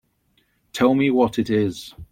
Tell me what it is.